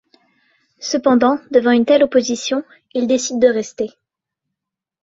Cependant, devant une telle opposition, il décide de rester.